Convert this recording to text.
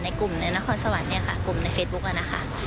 กลุ่มในนครสวรรค์เนี่ยค่ะกลุ่มในเฟซบุ๊กอะนะคะ